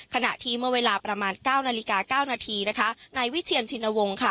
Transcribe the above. ขณะที่เมื่อเวลาประมาณ๙นาฬิกา๙นาทีนายวิเทียนชินวงค่ะ